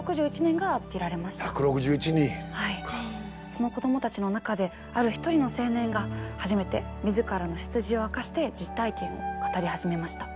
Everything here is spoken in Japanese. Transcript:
その子どもたちの中である一人の青年が初めて自らの出自を明かして実体験を語り始めました。